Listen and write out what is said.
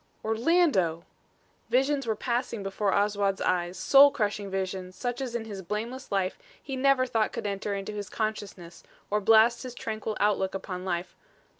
"Orlando!" Visions were passing before Oswald's eyes, soul crushing visions such as in his blameless life he never thought could enter into his consciousness or blast his tranquil outlook upon life.